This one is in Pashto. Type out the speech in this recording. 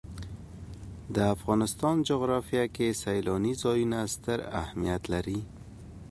د افغانستان جغرافیه کې سیلانی ځایونه ستر اهمیت لري.